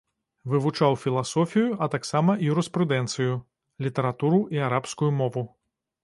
Вывучаў філасофію, а таксама юрыспрудэнцыю, літаратуру і арабскую мову.